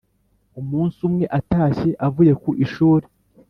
umunsi umwe atashye avuye ku ishuri,